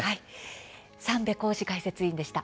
三瓶宏志解説委員でした。